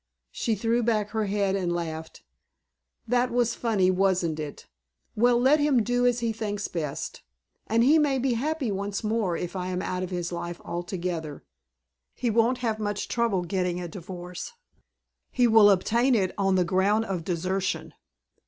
She threw back her head and laughed. "That was funny, wasn't it? Well, let him do as he thinks best. And he may be happy once more if I am out of his life altogether. He won't have much trouble getting a divorce!" "He will obtain it on the ground of desertion."